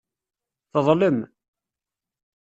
Teḍlem.